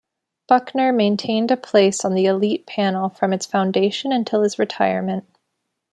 Bucknor maintained a place on the Elite Panel from its foundation until his retirement.